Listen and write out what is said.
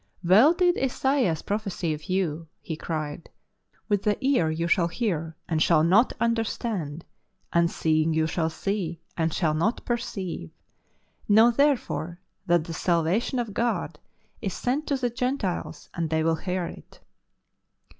" Well did Isaias prophesy of you," he cried, " with the ear you shah, hear and shall not understand, and seeing you shall see, and shall not perceive. ... Know therefore that the salvation of God is sent to the Gentiles and they will hear it."